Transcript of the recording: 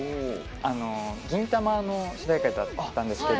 「銀魂」の主題歌だったんですけど